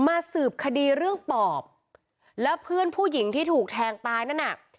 สืบคดีเรื่องปอบแล้วเพื่อนผู้หญิงที่ถูกแทงตายนั่นน่ะ